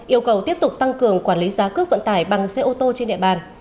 yêu cầu tiếp tục tăng cường quản lý giá cước vận tải bằng xe ô tô trên địa bàn